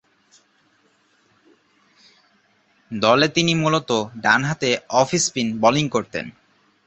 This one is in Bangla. দলে তিনি মূলতঃ ডানহাতে অফ স্পিন বোলিং করতেন।